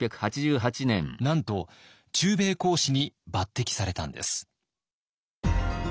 なんと駐米公使に抜てきされたんです。